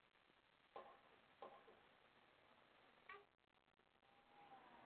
kuanzia mwezi wa kwanza mwaka elfu mbili na tano hadi alipojiuzulu